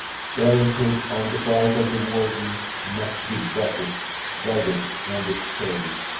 Parenthood on the part of the worthy must be buttressed, guided, and extolled.